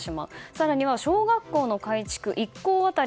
更には小学校の改築１校当たり